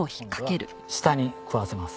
今度は下に食わせます。